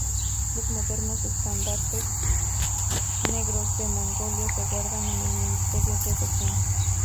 Los modernos estandartes negros de Mongolia se guardan en el Ministerio de Defensa.